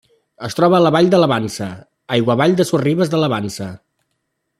Es troba a la vall de la Vansa, aigua avall de Sorribes de la Vansa.